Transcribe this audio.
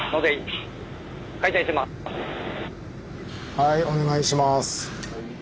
はいお願いします。